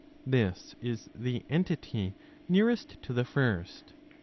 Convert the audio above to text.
This is the (entity) nearest to the First.